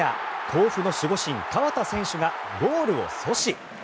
甲府の守護神河田選手がゴールを阻止。